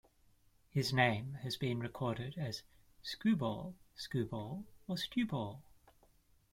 His name has been recorded as "Squball", "Sku-ball", or "Stewball".